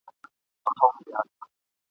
د نریو اوبو مخ په بېل بندیږي ..